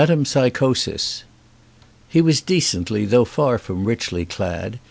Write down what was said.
L METEMPSYCHOSIS HE was decently though far from richly, clad.